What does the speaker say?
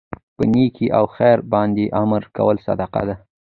په نيکۍ او خیر باندي امر کول صدقه ده